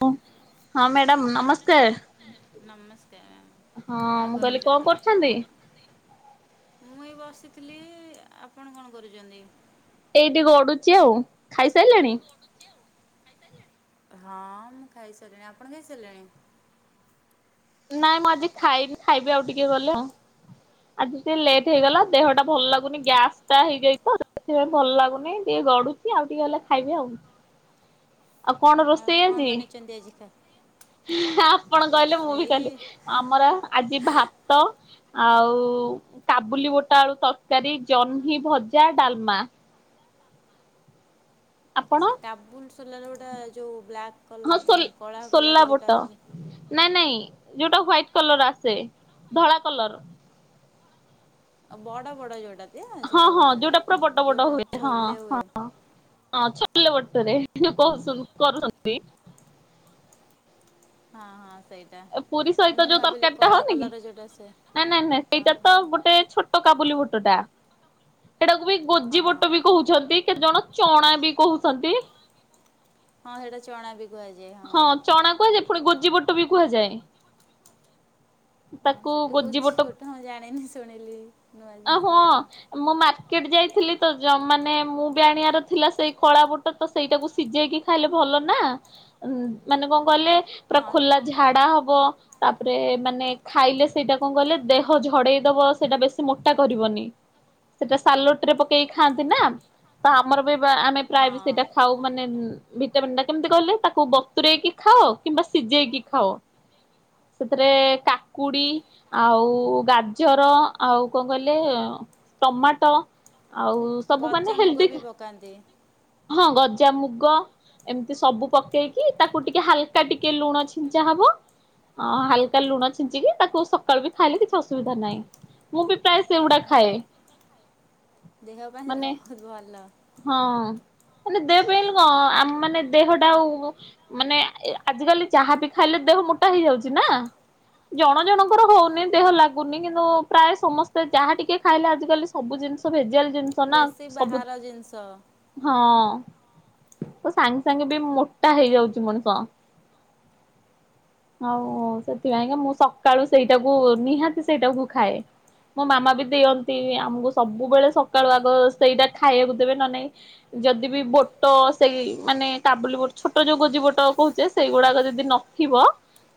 ହଁ ମ୍ୟାଡ଼ାମ ନମସ୍କାର। ନମସ୍କାର ହଁ କଣ ମୁଁ କହିଲି କଣ କରୁଛନ୍ତି। ମୁଁ ଏ ବସିଥିଲି ଆପଣ କଣ କରୁଛନ୍ତି। ଏଇଠି ଗଡୁଛି ଆଉ ଖାଇସାରିଲାଣି। ହଁ ମୁଁ ଖାଇ ସାରିଲିଣି ଆପଣ ଖାଇସାରିଲେଣି। ନାଇଁ ମୁଁ ଆଜି ଖାଇନି ଖାଇବି ଆଉ ଟିକେ ଗଲେ ଆଉ। ଆଜି ଟିକେ ଲେଟ୍ ହେଇଗଲା ଦେହ ଟା ଭଲ ଲାଗୁନି ଗ୍ୟାସ୍ ଟା ହେଇଯାଇଛି ସେଥିପାଇଁ ଭଲ ଲାଗୁନି ଟିକେ ଗଡୁଛି ଆଉ ଟିକେ ହେଲେ ଖାଇବି ଆଉ ଆଉ। କଣ ରୋଷେଇ କଣ ଆଜି ବନେଇଛନ୍ତି ଆଜି ଖା ଆପଣ କହିଲେ ମୁଁ ବି ରୋଷେଇ କହିଲି ଆମର ଆଜି ଭାତ। ଆଉ। କାବୁଲି ବୋଟ ଆଳୁ ତରକାରୀ ଜହ୍ନି ଭଜା ଡାଲମା। ଆପଣ ସେ କାବୁଲ। ଗୋଟା ଯୋଉ ବ୍ଲାକ। ହଁ ସୋଲ ସୋଲା ବୋଟ ନାଇଁ ନାଇଁ। ଯୋଉଟା ହ୍ଵାଇଟ କଲର ଆସେ ଧଳା କଲର। ଆ ବଡ ବଡ ଯୋଉଟା ହଁ ସେଇଟା ହଁ ଯୋଉଟା କହୁଛନ୍ତି ପୁରା ବଡ ବଡ ଯୋଉଟା ହୁଏ ହଁ ଛୋଲେ ହଁ। ହୁଏ। ହଁ ଛୋଲେ ବଟରେ। କହୁ କରୁଛନ୍ତି। ହଁ ହଁ ସେଇଟା ପୁରୀ ସହିତ ମୁଁ ଯୋଉ ଭାବିଲି ତରକାରୀ ଟା କଳା ହଉନି କି କଲର ଯୋଉଟା ଆସେ। ନାଇଁ ନାଇଁ ନାଇଁ ହଁ ସେଇଟା ହଁ ତ ହଁ ଗୋଟେ ଛୋଟ କାବୁଲି ବୁଟେ ତୋଟା ଏଇଟାକୁ ବି ଗୋଜି ବଟ ହଁ ବି କହୁଛନ୍ତି କେତ ଜଣ ଚଣା ବି କହୁଛନ୍ତି ହଁ ସେଇଟା ଚନା ବି ହଁ ଚଣା କୁହ ଯେ ପୁଣି ଗୋଜି ବଟ ବି କୁହାଯାଏ ହଁ ତାକୁ ସେ ଗୋଜି ବୁଝ ବୋଟ ଫଟ ମୁଁ ଜାଣିନି ଶୁଣିଲି ନୂଆ ଜିନିଷ ଟେ ଆଉ କେଟ ଯାଇଥିଲି ତ ମାନେ ମୁଁ ବି ଆଣିବାର ଥିଲା ସେଇ ଖଳା ବୁଟ ତ ସେଇଟାକୁ ସିଝେଇକି ଖାଇଲେ ଭଲ ନା ଉ ମାନେ କଣ କହିଲେ ପୁରା ହଁ ଖୋଲା ଝାଡା ହବ ତାପରେ ମାନେ ଖାଇଲେ ସେଇଟା କଣ କହିଲେ ଦେହ ଝଡେଇ ଦବ ସେଇଟା ବେଶୀ ମୋଟା କରିବନି ସେଟା ସାଲୋଟ ରେ ପକେଇକି ଖାଆନ୍ତି ନା ତ ଆମର ବି ଆମେ ପ୍ରାୟ ବି ହଁ ସେଇଟା ଖାଉ ମାନେ ପଣ୍ଡ କେିତି କହେ ତାକୁ ବତୁରଇକି ଖାଅ କିମ୍ବା ସିଝେଇକି ଖାଅ ସେଥିରେ କାକୁଡି ଆଉ ଗାଜର ଆଉ କଣ କହିଲେ ଟମାଟୋ ଆଉ ସବୁ ମାନେ ଗଜା ମୁଗ ହେଲଦି ବି ପକାନ୍ତି। ହଁ ଗଜାମୁଗ ଏମିତି ସବୁ ପ କେଇକି ତାକୁ ଟିକେ ହାଲକା ଟିକେ ଲୁଣ ଛିଞ୍ଚା ହବ ହାଲକା ଲୁଣ ଛିଞ୍ଚିକି ତାକୁ ସକାଳୁ ବି ଖାଇଲେ କିଛି ଅସୁବିଧା ନାହିଁ ମୁଁ ବି ପ୍ରାୟ ତା ସେଇଗୁଡା ଖାଏ ଦେହ ପାଇଁ ସେଇଟା ମାନେ ବୋହୁତ ଭଲ। ହଁ ମାନେ ଦେହ ପାଇଁଲେ କଣ ଆ ଆମ ମାନେ ଦେହଟା ଆଉ। ମାନେ ଆଜିକାଲି ଯହା ବି ଖାଇଲେ ଦେହ ମୋଟା ହେଇଯାଉଚି ନା ଜଣ ଜଣଙ୍କର ହୋଉନି ଦେହ ଲାଗୁନି କିନ୍ତୁ ପ୍ରାୟ ସମସ୍ତେ ଯାହା ଟିକେ ଖାଇଲେ ଆଜିକାଲି ସବୁ ଜିନିଷ ଭେଜିଆ ଜିନିଷ ନା ବେଶୀ ସବୁ ବାହାର ଜିନିଷ ହଁ। ସାଙ୍ଗେ ସାଙ୍ଗେ ବି ମୋ ଟା ହେଇଯାଉଚି ମଣିଷ ଆଉ ସେଥିପାଇଁକା ମୁଁ ସକାଳୁ ସେଇଟାକୁ ନିହାତି ସେଇଟାକୁ ଖାଏ ମୋ ମାମା ବି ଦିଅନ୍ତି ଆମକୁ ସବୁବେଳେ ସକାଳୁ ଆଗ ସେଇଟା ଖାଇବାକୁ ଦେବେ ନହେନେ ଯଦି ବି ବୋଟ ସେଇ ମାନେ କାବୁଲି ବୋ ଛୋଟ ଯୋଉ ଗୋଜି ବୋଟ କହୁଚେ ସେଇଗୁଡାକ ଯଦି ନଥିବ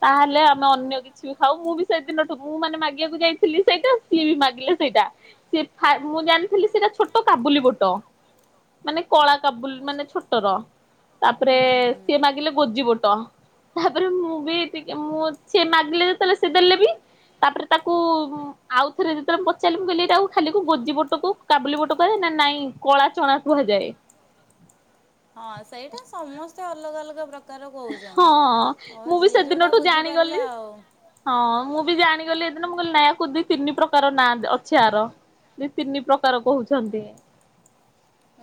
ତାହେଲେ ଆମେ ଅନ୍ୟ କିଛି ବି ଖାଉ ମୁଁ ବି ସେଦିନଠୁ ମୁଁ ମାନେ ମାଗିବାକୁ ଯାଇଥିଲି ସେଇଟା ସିଏ ବି ମାଗିଲେ ସେଇଟା ସିଏ ମୁଁ ଜାଣିଥିଲି ସେଇଟା ଛୋଟ କାବୁଲି ବୋଟ ମାନେ କଳା କାବୁଲି ମାନେ ଛୋଟର ତାପରେ ହୁଁ ହୁଁ ସିଏ ମାଗିଲେ କୁଜି ବୁଟ ତାପରେ ମୁଁ ବି ଟିକେ ମୁଁ ସେ ମାଗିଲେ ଯେତେବେଳେ ସେ ଦେଲେ ବି ତାପରେ ତାକୁ ଆଉ ଥରେ ଯେତେବେଳେ ପଚାରିଲି ମୁଁ କହିଲି ତାକୁ ଖାଲି ଗୋଜି ବୁଟକୁ କାବୁଲି ବୁଟ କୁହାଯାଏ ନା ନାଇଁ କଳା ଚଣା କୁହାଯାଏ। ହଁ ସେଇଟା ସମସ୍ତେ ଅଲଗା ଅଲଗା ପ୍ର ହଁ ମୁଁ ବି ଯୋଉଟା ସେଦିନଠୁ ବୁଝିପାରିଲା ଜାଣିଗଲି ଆଉ। ହଁ ମୁଁ ବି ଜାଣିଗଲେ ଏଦିନ ମୁଁ କହିଲି ନାୟା କୁ ଦି ତିନି ପ୍ରକାର ନାଁ ଅଛି ଆର ଦି ତିନି ପ୍ରକାର କହୁଛନ୍ତି।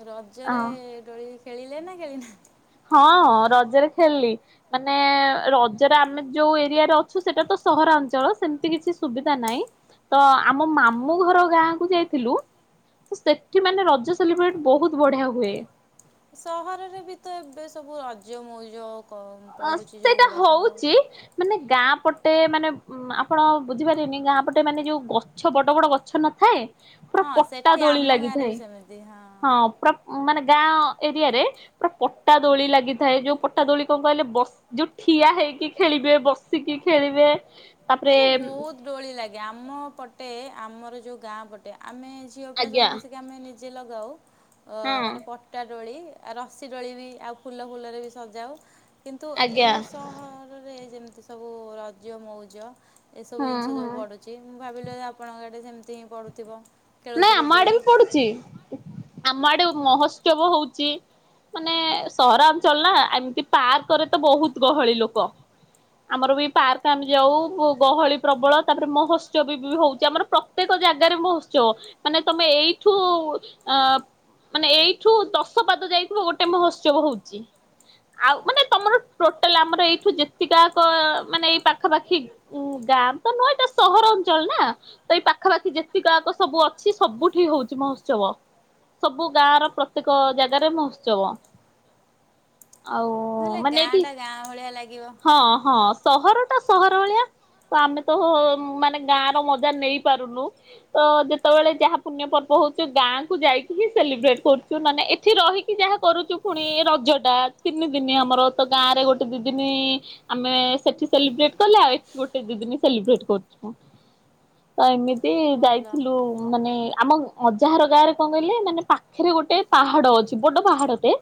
ରଜରେ ହଁ। ଦୋଳି। ଖେଳିିଲେ ନା ଖେଳି ନାହାନ୍ତି? ହଁ ରଜରେ ଖେଳିଲି ମାନେ ରଜରେ ଆମେ ଯୋଉ ଏରିଆରେ ଅଛୁ ସେଟା ତ ସହରାଞ୍ଚଳ ସେମିତି କିଛି ସୁବିଧା ନାହିଁ ତ ଆମ ମାମୁଁ ଘର ଗାଁ କୁ ଯାଇଥିଲୁ ତ ସେଠି ମାନେ ରଜ ସେଲିବ୍ରେଟ ବୋହୁତ ବଢିଆ ହୁଏ। ସହରରେ ବି ତ ଏବେ ସବୁ ରଜମୌଜ ଅ ସେଟା ହୋଉଚି ମାନେ ଗାଁ ଏପଟେ ମାନେ ଆପଣ ବୁଝିପାରିବେନି ଗାଁ ପଟେ ମାନେ ଯୋଉ ଗଛ ବଡ଼ ବଡ଼ ଗଛ ନଥାଏ। ପୁରା ହଁ ପଟା ସେଠି ଦୋଳି ଆମ ଗାଁରେ ବି ଲାଗିଥାଏ। ସେମିତି ହଁ। ମାନେ ଗାଁ ଏରିଆରେ ପୁରା ପଟା ଦୋଳି ଲାଗିଥାଏ। ଯୋଉ ପଟା ଦୋଳି କଣ କହିଲେ ବସି ଯୋଉ ଠିଆ ହେଇକି ଖେଳିବେ ବସିକି ଖେଳିବେ। ତାପରେ ବୋହୁତ ଡୋଳି ଲାଗେ ଆମ ପଟେ ଆମର ଯୋଉ ଗାଁ ପଟେ ଆମେ ଝିଅ ପିଲା ଆଜ୍ଞା ସବୁ ମିଶିକି ଆମେ ନି ଯେ ଲଗାଉ। ଅ ହଁ ମାନେ ପଟା ଦୋଳି ଆଉ ରସିି ଦୋଳି ବି ଆଉ ଫୁଲ ଫୁଲରେ ବି ସଜାଉ। କିନ୍ତୁ ଏଇ ଆଜ୍ଞା ଯୋଉ ସହରରେ ଯେମି ଏ ସବୁ ରଜ ମଉଜ ଏ ସବୁ ହୁଁ ଜିନିଷ ଯୋଉ ହୁଁ ପଡୁଚି। ଭାବିଲୁ ଯେ ଆପଣଙ୍କ ଆଡେ ସେମିତି ହିଁ ପଡୁଥିବ। ନାଇଁ ଆମ ଆଡେ ବି ପଡୁଚି ଆମ ଆଡେ ମହୋତ୍ସବ ହୋଉଚି ମାନେ ସହରାଞ୍ଚଳ ନା ଏମିତି ପାର୍କ ରେ ତ ବହୁତ ଗହଳି ଲୋକ ଆମର ବି ପାର୍କ ଆମେ ଯାଉ ଗହଳି ପ୍ରବଳ ତାପରେ ମହୋତ୍ସବ ବି ହୋଉଚି ଆମର ପ୍ରତ୍ୟେକ ଜାଗାରେ ମହୋତ୍ସ ବ ମାନେ ତମେ ଏଇଠୁ ଅ ମାନେ ଏଇଠୁ ଦଶ ପାଦ ଯାଇିଥିବ ଗୋଟେ ମହୋତ୍ସବ ହୋଉଚି, ଆଉ ମାନେ ତମର ଟୋଟାଲ ଆମର ଏଇଠୁ ଯେତିକାକ ମାନେ ଏଇ ପାଖାପାଖି ଗାଁ ତ ନୁହଁ ଏଇଟା ସହରଅଞ୍ଚଳ ନା ତ ଏଇ ପାଖାପାଖି ଯେତିକଆକ ସବୁ ଅଛି ସବୁଠି ହୋଉଚି ମହୋତ୍ସବ ସବୁ ଗାଁ ର ପ୍ରତ୍ୟେକ ଜାଗାରେ ମହୋତ୍ସବ। ଆଉ ହେଲେ ମାନେ ଏଠି ଗାଁଟା ଗାଁ ଭଳିଆ ଲାଗିବ ହଁ ହଁ ସହର ଟା ସହର ଭଳିଆ ତ ଆମେ ତ ମାନେ ଗାଁ ର ମଜା ନେଇ ପାରୁନୁ ତ ଯେମି ଯେତେବେଳେ ଯାହା ପୁଣ୍ୟ ପର୍ବ ହଉଛି ଗାଁକୁୁ ଯାଇକି ହିଁ ସେଲିବ୍ରେଟ କରୁଛୁ। ନ ନାଇଁ ଏଠି ରହିକି ଯାହା କରୁଛୁ ପୁଣି ରଜ ଟା ତିନି ଦିନି ଆମର ତ ଗାଁ ରେ ଗୋଟେ ଦି ଦିନ ଆମେ ସେଠି ସେଲିବ୍ରେଟ କଲେ ଆଉ ଏଠି ଗୋଟେ ଦି ଦିନ ସେଲିବ୍ରେଟ କରୁଛୁ। ତ ଏମିତି ତି ଭଲ ଯାଇଥିଲୁ ମାନେ ଆମ ଅଜାଘର ଗାଁ ରେ କଣ କହିଲେ ମାନେ ପାଖରେ ଗୋଟେ ପାହାଡ ଅଛି ବଡ ପାହାଡଟେ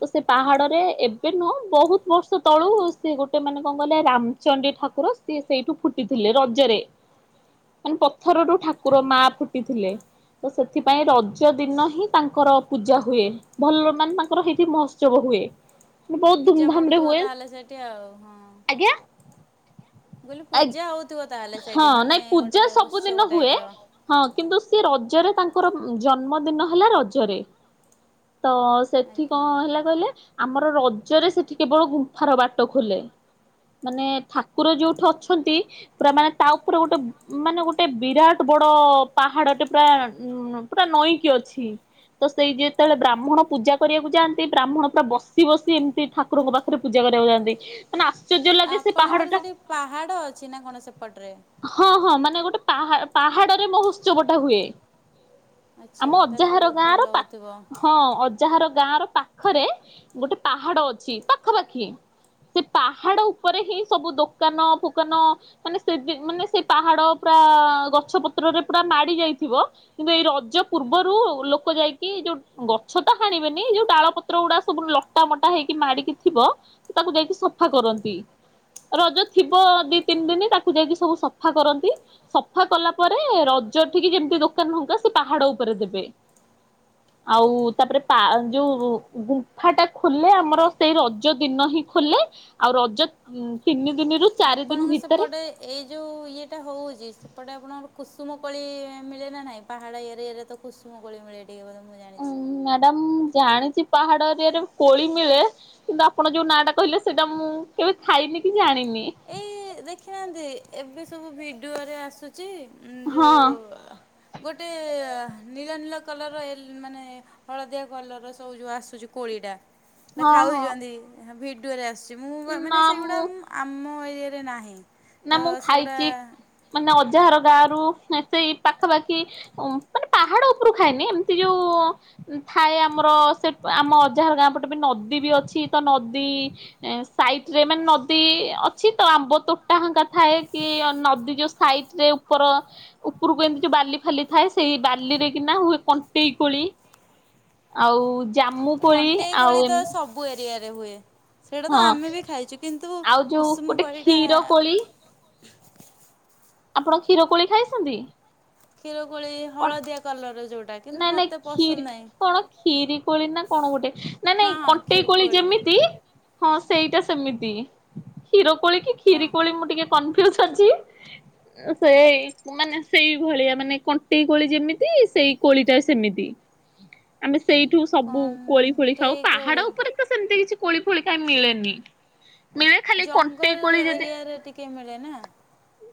ତ ସେ ପାହାଡରେ ଏବେ ନୁହଁ ବହୁତ ବର୍ଷ ତଳୁ ସେ ଗୋଟେ ମାନେ କଣ କହିଲ ରାମଚଣ୍ଡୀ ଠାକୁର ସିଏ ସେଇଠୁ ଫୁଟିଥିଲେ ରଜରେ ମାନେ ପଥରରୁୁ ଠାକୁର ମା ଆଜ୍ଞା ଫୁ ଲେ ସେଥିପାଇଁ ରଜ ଦିନ ହିଁ ତାଙ୍କର ପୂଜା ହୁଏ ଭଲ ମାନେ ତାଙ୍କର ସେଇଠି ମହୋତ୍ସବ ହୁଏ। ବହୁତ ପୂଜା ଧୁମଧାମ ରେ ପଡୁଥିବ ହୁଏ ତାହେଲେ ସେଠି ଆଉ ହଁ ଆଜ୍ଞା ମୁଁ କହିଲି ପୂଜା ହଉଥିବ ତାହେଲେ ହଁ ସେଇଠି ମାନେ ନାଇଁ ଗୋଟେ ପୂଜା ଉତ୍ସବ ସବୁଦିନ ଟାଇପ୍ ହୁଏ ର। ହଁ କିନ୍ତୁ ସିଏ ରଜ ରଜରେ ତାଙ୍କର ଜନ୍ମଦିନ ହେଲା ରଜରେ ତ ସେଠି ଆଜ୍ଞା। କଣ ହେଲା କହିଲେ ଆମର ରଜରେ ସେଠି କେବଳ ଗୁମ୍ଫାର ବାଟ ଖୋଲେ ମାନେ ଠାକୁର ଯୋଉଠି ଅଛନ୍ତି ପୁରା ମାନେ ତା ଉପରେ ଗୋଟେ ମାନେ ଗୋଟେ ବିରାଟ ବଡ ପାହାଡଟେ ପୁରା ଉ ପୁରା ନଈକି ଅଛି ତ ସେଇ ଯେତେବେଳେ ବ୍ରାହ୍ମଣ ପୂଜା କରିବାକୁ ଯାଆନ୍ତି ବ୍ରାହ୍ମଣ ପୁରା ବସି ବସି ଏମିତି ଠାକୁରଙ୍କ ପାଖରେ ପୂଜା କରିବାକୁ ଯାଆନ୍ତି। ମାନେ ଆସ ଆପଣଙ୍କର ସେଠି ପାହାଡ ଅଛି ନା କଣ ସେପଡ଼ରେ ହଁ ହଁ ମାନେ ଗୋଟେ ପାହା ପାହାଡରେ ମହୋତ୍ସବଟା ହୁଏ। ଆମ ଆଚ୍ଛା ତାହେଲେ ଅଜାହାର ବହୁତ ଗାଁ ର ଭଲ ପାଟ ହଉଥିବ। ହଁ ଅଜାହାର ଗାଁ ର ପାଖରେ ଗୋଟେ ପାହାଡ ଅଛି ପାଖାପାଖି ସେ ପାହାଡ ଉପରେ ହିଁ ସବୁ ଦୋକାନ ଫୋକାନ ମାନେ ସେ ମାନେ ସେ ପାହାଡ ପୁରା ଗଛ ପତ୍ରରେ ପୁରା ମାଡି ଯାଇଥିବ କିନ୍ତୁ ଏଇ ରଜ ପୂର୍ବରୁ ଲୋକ ଯାଇକି ଯୋଉ ଗଛ ତ ହାଣିବେନି ଯୋଉ ଡାଳ ପତ୍ର ଗୁଡା ସବୁ ଲଟା ମଟା ହେଇକି ମାଡିକି ଥିବ ତାକୁ ଯାଇକି ସଫା କରନ୍ତି ରଜ ଥିବ ଦି ତିନି ଦିନ ତାକୁ ଯାଇକି ସବୁ ସଫା କରନ୍ତି। ସଫା କଲା ପରେ ରଜ ଟିକେ ଯେମିତି ଦୋକାନ ହଙ୍କା ସେ ପାହାଡ ଉପରେ ଦେବେ ଆଉ ତାପରେ ପା ଯୋଉ ଗୁମ୍ଫା ଟା ଖୋଲେ ଆମର ସେଇ ରଜ ଦିନ ହିଁ ଖୋଲେ ଆଉ ରଜ ତିନି ଦିନରୁ ଚାରି ଦିନ ଆପଣଙ୍କ ଭିତରେ ସେପଟେ ଏଇ ଯୋଉ ଇଏଟା ହଉଛି ସେପଟେ ଆପଣ ଆମର କୁସୁମ କୋଳି ମିଳେ ନା ନାହିଁ? ପାହାଡ ଏରିଆରେ ତ କୁସୁମ କୋଳି ମିଳେ। ଏଇକଥା ମୁଁ ଉଁ ଜାଣିଛି। ମ୍ୟାଡାମ ଜାଣିଛି ପାହାଡ ଏରିଆରେ କୋଳି ମିଳେ କିନ୍ତୁ ଆପଣ ଯୋଉ ନାଁ ଟା କହିଲେ ସେଇଟା ମୁଁ କେବେ ଖାଇନି କି ଜାଣିନି। ଦେଖିନାହାନ୍ତି ଏବେ ସବୁ ଭିଡିଓରେ ଆସୁଛି। ଯେ ଯୋ ହଁ। ଗୋଟେ ନୀଳ ନୀଳ କଲର ର ମାନେ ହଳଦିଆ କଲର ସବୁ ଯେଉଁ ଆସୁଛି କୋଳିଟା ସେଟା ହଁ ହଁ ଖାଉଛନ୍ତି ଭିଡି ଭିଡିଓରେ ଆସୁ ମୁଁ ମାନେ ନା ସେଇଗୁଡା ମୁଁ ଆମ ରେ ନାହିଁ। ତ ନା ମୁଁ ସେଗୁଡ଼ା ଖାଇଛି ମାନେ ଅଜାହର ଗାଁ ରୁ ସେଇ ପାଖାପାଖି ମାନେ ପାହାଡ଼ ଉପରୁ ଖାଇନି ଏମିତି ଯୋଉ ଥାଏ ଆମର ସେ ଆମ ଅଜାଘର ଗାଁ ପଟେ ବି ନଦୀ ବି ଅଛି ତ ନଦୀ ସାଇଟରେ ମାନେ ନଦୀ ଅଛି ତ ଆମ୍ବ ତୋ ଟା ହାଙ୍କା ଥାଏ କି ନଦୀ ଯୋଉ ସାଇଟରେ ଉପର ଉପରୁକୁ ଏମିତି ଯୋଉ ବାଲି ଫାଲି ଥାଏ ସେଇ ବାଲିରେ କିନା ହୁଏ କଣ୍ଟେଇ କୋଳି ଆଉ ଜାମୁ କୋଳି ଆଉ ଏମିତି ରେ ହୁଏ ସେଇଟା ତ ଆମେ ବି ଖାଇଛୁ କିନ୍ତୁ ଆଉ ଯୋଉ କୁସୁମ ଗୋଟେ କୋଳଟା କ୍ଷୀର କୋଳି ଆପଣ କ୍ଷୀର କୋଳି ଖାଇଛନ୍ତି କ୍ଷୀର କୋଳି କଣ ହଳଦିଆ କଲର ଯୋଉଟା କିନ୍ତୁ ନାଇଁ ନାଇଁ ମତେ ପସନ୍ଦ କ୍ଷୀରି ନାହିଁ କଣ କ୍ଷୀରି କୋଳି ନା କଣ ଗୋଟେ ନାଇ ହଁ ନାଇଁ ହଁ କଣ୍ଟେଇ କ୍ଷୀର କୋଳି ଯେମିତି ହଁ ସେଇଟା ସେମିତି ହିରୋ କୋଳି କି ହଁ। କ୍ଷୀରି କଳି ମୁଁ ଟିକେ [unintelligible] ସେଇ ମାନେ ସେଇଭଳିଆ ମାନେ କଣ୍ କଣ୍ଟେଇକୋଳି ଯେମିତି ସେଇ କୋଳିଟା ସେମିତି ଆମେ ସେଇଠୁ ସବୁ କୋଳି ଫୋଳି ଖାଉ କଣ୍ଟେଇ କୋଳି ପାହାଡ ଉପରେ ତ ସେମିତି କିଛି କୋଳି ଫୋଳି କାଇ ମିଳେନି। ମିଳେ ଖାଲି କଣ୍ଟେଇ ଜଙ୍ଗଲ କୋଳି ଯଦି ଏରିଆରେ ଟିକେ ମିଳେ ନା।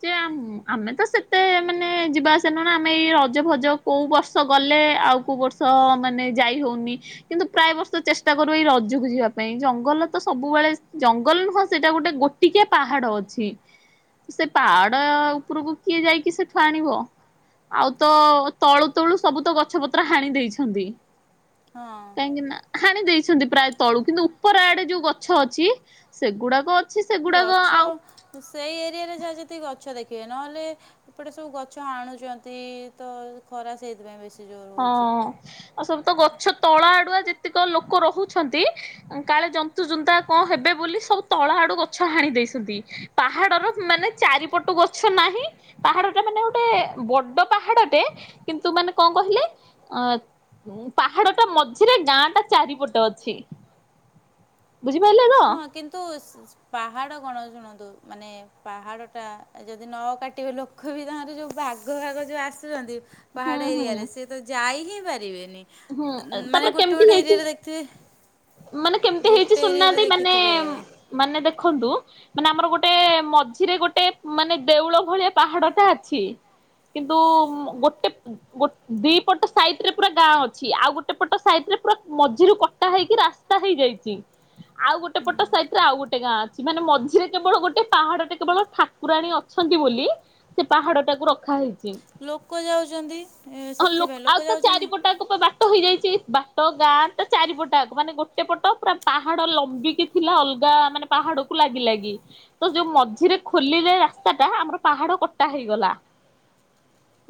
ଯେ ଆମ ଆମେ ତ ସେତେ ମାନେ ଯିବା ଆସିଆ ନା ଆମେ ଏଇ ରଜ ଭଜ କୋଉ ବର୍ଷ ଗଲେ ଆଉ କୋଉ ବର୍ଷ ମାନେ ଯାଇ ହଉନି କିନ୍ତୁ ପ୍ରାୟ ବର୍ଷ ଚେଷ୍ଟା କରୁ ଏଇ ରଜକୁ ଯିବା ପାଇଁ ଜଙ୍ଗଲ ତ ସବୁବେଳେ ଜଙ୍ଗଲ ନୁହଁ ସେଇଟା ଗୋଟେ ଗୋଟିକି ପାହାଡ ଅଛି ସେ ପାହାଡ ଉପରକୁ କିଏ ଯାଇକି ସେଠୁ ଆଣିବ। ଆଉ ତ ତଳୁ ତଳୁ ସବୁ ତ ଗଛ ପତ୍ର ହାଣି ଦେଇଛନ୍ତି। କାହିଁକି ନା ହଁ। ହାଣି ଦେଇଛନ୍ତି ପ୍ରାୟ ତଳୁ କିନ୍ତୁ ଉପର ଆଡେ ଯୋଉ ଗଛ ଅଛି ସେଗୁଡାକ ଅଛି ସେଗୁଡାକ ଗଛ ଆଉ ସେଇ ଏରିଆରେ ଯା ଯେତିକି ଗଛ ଦେଖ ବେ ନହେଲେ ଏପଟେ ସବୁ ଗଛ ହାଣୁଛନ୍ତି ତ ଖରା ସେଇଥିପାଇଁ ବେଶୀ। ଜୋର ହଉଛି ହଁ। ଆ ସବୁ ତ ଗଛ ତଳ ଆଡୁଆ ଯେତିକ ଲୋକ ରହୁଛନ୍ତି କାଳେ ଜନ୍ତୁ ଜୁନ୍ତା କଣ ହେବେ ବୋଲି ସବୁ ତଳ ଆଡୁ ଗଛ ହାଣି ଦେଇଛନ୍ତି ପାହାଡର ମାନେ ଚାରିପଟୁ ଗଛ ନାହିଁ ପାହାଡ ଟା ମାନେ ଗୋଟେ ବଡ ପାହାଡଟେ କିନ୍ତୁ ମାନେ ଙ୍କ କହିଲେ ଅ ପାହାଡଟା ମଝିରେ ଗାଁ ଟା ଚାରିପଟ ଅଛି। ବୁଝିପାରିଲେ ତ? ହଁ କିନ୍ତୁ ସ ପାହାଡ କଣ ଶୁଣନ୍ତୁ ମାନେ ପାହାଡ଼ଟା ଯଦି ନ କାଟିବେ ଲୋକ ବି ତାଙ୍କର ଯଉ ବାଗ ଭାଗ ଯଉଁ ଆସୁଛନ୍ତି। ହୁଁ ପାହାଡ ହୁଁ ଏରିଆ ରେ ସେଏ ତ ଯାଇ ହିଁ ପାରିବେ। ନି ହୁଁ ମାନେ ତାପରେ ଗୋଟେ ଗୋଟେ କେମିତି ଏରିଆ ହେଇଛି ରେ ଦେଖିଥିବେ ମାନେ କେମିତି ହେଇଛି ଗୋଟେ ଏରିଆ ରେ ଶୁଣୁନାହାନ୍ତି ଦେଖି ମାନେ ମାନେ ଦେଖନ୍ତୁ ମାନେ ଆମର ଗୋଟେ ମଝିରେ ଗୋଟେ ମାନେ ଦେଉଳ ଭଳିଆ ପାହାଡଟା ଅଛି କିନ୍ତୁ ମ୍ ଗୋଟେ ଗୋ ଦି ପଟ ସାଇଟ୍ ରେ ପୁରା ଗାଁ ଅ ଛି ଆଉ ଗୋଟେ ପଟ ସାଇଡ୍ ରେ ପୁରା ମଝିରୁ କଟା ହେଇକି ରାସ୍ତା ହେଇଯାଇଚି। ଆଉ ଗୋଟେ ହୁଁ ପଟ ସାଇଟ୍ ରେ ଆଉ ଗୋଟେ ଗାଁ ଅ ଛି ମାନେ ମଝିରେ କେବଳ ଗୋଟେ ପାହାଡଟେ କେବଳ ଠାକୁରାଣୀ ଅଛନ୍ତି ବୋଲି ସେ ପାହାଡ ଟାକୁ ରଖା ହେଇଚି। ଲୋକ ଯାଉଛନ୍ତି ହଁ ସେଥିପାଇଁ ଆଉ ଲୋକ ତା ଯାଉଛନ୍ତି ଚାରିପଟାକ ପା ନା। ବାଟ ହେଇଯାଇଛି, ବାଟ ଗାଁ ତା ଚାରିପଟଆକ ମାନେ ଗୋଟେ ପଟ ପୁରା ପାହାଡ ଲମ୍ବିକି ଥିଲା ଅଲଗା ମାନେ ପାହାଡକୁ ଲାଗି ଲାଗି, ତ ଯୋଉ ମଝିରେ ଖୋଲିଲେ ରାସ୍ତାଟା ଆମର ପାହାଡ କଟା ହେଇଗଲା,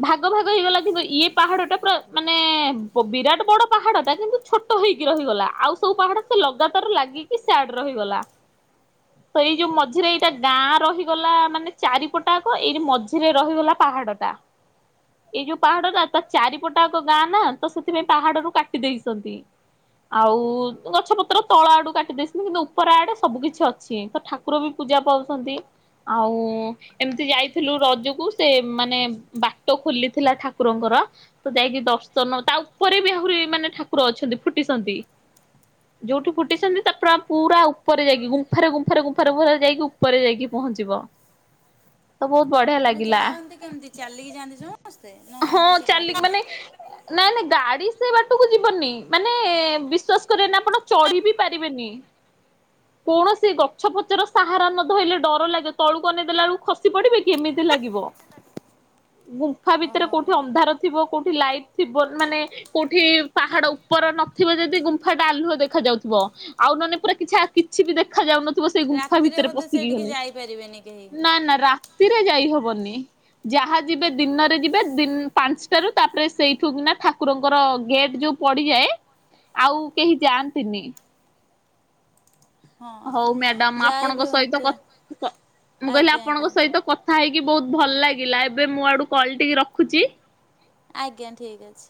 ଭାଗ ଭାଗ ହେଇଗଲା କିନ୍ତୁ ଇଏ ପାହାଡଟା ପୁରା ମାନେଏ-ଏ-ଏ [inaudible] ବିରାଟ ବଡ ପାହାଡଟା କିନ୍ତୁ ଛୋଟ ହେଇକି ରହିଗଲା ଆଉ ସବୁ ପାହାଡ ସେ ଲଗାତାର ଲାଗିକି ସିଆଡେ ରହିଗଲା। ତ ଏଇ ଯୋଉ ମଝିରେ ଏଇଟା ଗାଁ ରହିଗଲା ମାନେ ଚାରିପଟଆକ ଏଇ ମଝିରେ ରହିଗଲା ପାହାଡଟା ଏଇ ଯୋଉ ପାହାଡଟା ତା ଚାରିପଟଆକ ଗାଁ ନା। ତ ସେଥିପାଇଁ ପାହାଡରୁୁ କାଟି ଦେଇଛନ୍ତି, ଆଉ ଗଛ ପତ୍ର ତଳ ଆଡୁ କାଟି ଦେଇଛନ୍ତି କିନ୍ତୁ ଉପର ଆଡେ ସବୁ କିିଛି ଅଛି ତ ଠାକୁର ବି ପୂଜା ପାଉଛନ୍ତି ଆଉ ଏମିତି ଯାଇଥିଲୁ ରଜକୁ ସେ ମାନେ ବାଟ ଖୋଲିଥିଲା ଠାକୁରଙ୍କର ତ ଯାଇକି ଦର୍ଶନ। ତା ଉପରେ ବି ଆହୁରି ମାନେ ଠାକୁର ଅଛନ୍ତି ଫୁଟିଛନ୍ତି ଯୋଉଠି ଫୁଟିଛନ୍ତି ତାପରେ ପୁରା ଉପରେ ଯାଇକି ଗୁମ୍ଫାରେ ଗୁମ୍ଫାରେ ଗୁମ୍ଫାରେ ପୁରା ଯାଇକି ଉପରେ ଯାଇକି ପହଞ୍ଚିବ। ତ ବହୁତ ବଢିଆ ମାନେ ଲାଗିଲା। ଯାଆନ୍ତି କେମିତି ଚାଲିକି ଯାଆନ୍ତି ସମସ୍ତେ ନା ହଁ କିଛି ଗାଡି? ଚାଲିକି ମାନେ ନାଇଁ ନାଇଁ ଗାଡି ସେ ବାଟକୁ ଯିବନି, ମାନେ ବିଶ୍ଵାସ କରିବେନି ଆପଣ ଚଢି ବି ପାରିବେନି, କୌଣସି ଗଛପଛର ସାହାରା ନ ଧଇଲେ ଡର ଲାଗିବ ତଳୁକୁ ଅନେଇଦେଲା ବେଳକୁ ଖସି ପଡିବେ କି ଏମିତି ଲାଗିବ ଗୁମ୍ପ୍ ମ୍ଫା ଭିତରେ ଓହୋ କୋଉଠି ଅନ୍ଧାର ଥିବ। କୋଉଠି ଲାଇଟ। ଥିବ ମାନେ କୋଉଠି ପାହାଡ ଉପର ନଥିବ ଯଦି ଗୁମ୍ଫାଟା ଆଲୁହ ଦେଖା ଯାଉଥିବ ଆଉ ନହେଲେ ପୁରା କିଛି ଆ କିଛି ବି ଦେଖାଯାଉ ନ [inaudible] ସେଇ ଗୁମ୍ଫା ରାତିରେ ଭିତରେ ବୋଧେ ପଶିକି ସେଇଠିକି ଗଲେ, ଯାଇପାରିବେନି କେହି ନା-ନା ରା ରାତିରେ ଯାଇହବନି, ଯାହା ଯିବେ ଦିନରେ ଯିବେ ଦିନ୍ ପାଞ୍ଚଟାରୁ ତାପରେ ସେଇଠୁ କିନା ଠାକୁରଙ୍କର ଗେଟ୍ ଯୋଉ ପଡିଯାଏ ଆଉ କେହି ଯାଆନ୍ତିନି। ହଉ ହଁ ମ୍ୟାଡାମ୍ ଯାଇ ବି ଆପଣଙ୍କ ସହିତ ହେଉନଥିବ କ କ ମୁଁ କହିଲି ଆଜ୍ଞା ଆପଣଙ୍କ ଆଜ୍ଞା ସହିତ କଥା ହେଇ କି ବହୁତ ଭଲ ଲାଗିଲା ଏବେ ମୋ ଆଡୁ କଲ୍ ଟିକି ରଖୁଛି। ଆଜ୍ଞା ଠିକ୍ ଅଛି।